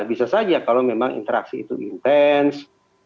bisa saja kalau memang interaksi itu intens